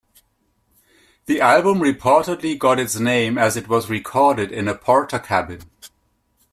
The album reportedly got its name as it was recorded in a Portakabin.